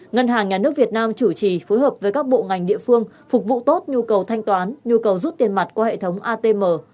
ngân hàng nhà nước việt nam chủ trì phối hợp với các bộ ngành địa phương phục vụ tốt nhu cầu thanh toán nhu cầu rút tiền mặt qua hệ thống atm